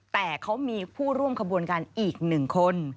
แต่เขามีผู้ร่วมขบวนการอีก๑คน